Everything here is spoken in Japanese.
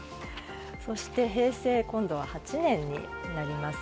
そして今度は平成８年になります。